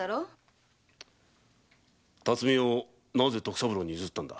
巽屋をなぜ徳三郎に譲ったのだ？